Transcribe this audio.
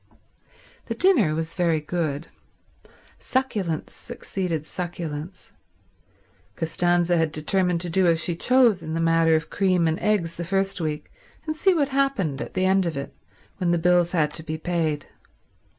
The dinner was very good. Succulence succeeded succulence. Costanza had determined to do as she chose in the matter of cream and eggs the first week, and see what happened at the end of it when the bills had to be paid.